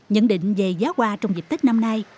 nhận định về giá hoa trong dịp tết năm nay